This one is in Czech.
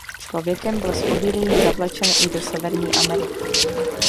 Člověkem byl s obilím zavlečen i do Severní Ameriky.